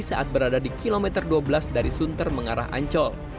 saat berada di kilometer dua belas dari sunter mengarah ancol